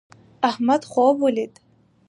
احمد خوب ولید